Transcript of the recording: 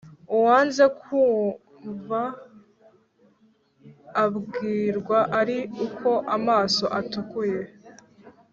Uwanze kwumva abwirwa ari uko amaso atukuye.